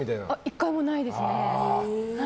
１回もないですね。